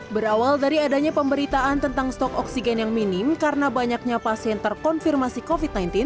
berawal dari adanya pemberitaan tentang stok oksigen yang minim karena banyaknya pasien terkonfirmasi covid sembilan belas